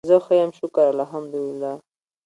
زه ښه یم شکر الحمدالله